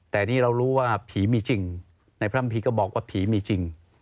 แต่นี่เรารู้ว่าผีมีจริงในพร่ำผีก็บอกว่าผีมีจริง